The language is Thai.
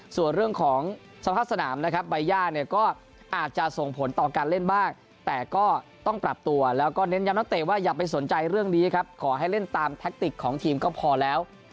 ส่วนเรื่องของสภาพสนามนะครับใบย่าเนี่ยก็อาจจะส่งผลต่อการเล่นบ้างแต่ก็ต้องปรับตัวแล้วก็เน้นย้ำนักเตะว่าอย่าไปสนใจเรื่องนี้ครับขอให้เล่นตามแท็กติกของทีมก็พอแล้ว